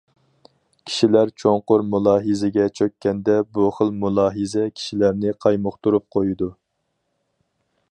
كىشىلەر چوڭقۇر مۇلاھىزىگە چۆككەندە، بۇ خىل مۇلاھىزە كىشىلەرنى قايمۇقتۇرۇپ قويىدۇ.